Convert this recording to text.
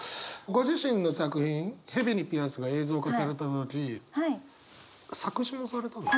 ご自身の作品「蛇にピアス」が映像化された時作詞もされたの？